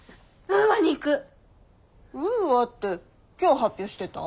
ウーアって今日発表してた。